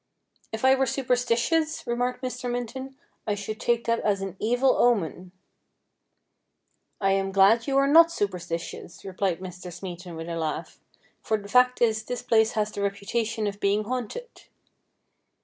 ' If I were superstitious,' remarked Mr. Minton, ' I should take that as an evil omen.' ' I am glad you are not superstitious,' replied Mr. Smeaton with a laugh, ' for the fact is this place has the reputation of being haunted.'